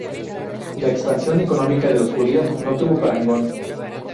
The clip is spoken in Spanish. La expansión económica de los judíos no tuvo parangón.